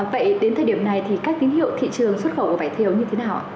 vậy đến thời điểm này thì các tín hiệu thị trường xuất khẩu của vải thiều như thế nào ạ